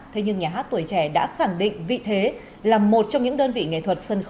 thế nhưng nhà hát tuổi trẻ đã khẳng định vị thế là một trong những đơn vị nghệ thuật